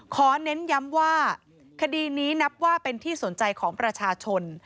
เน้นย้ำว่าคดีนี้นับว่าเป็นที่สนใจของประชาชน